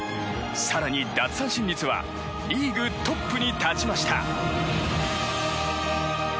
更に奪三振率はリーグトップに立ちました。